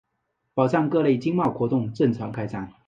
保障各类经贸活动正常开展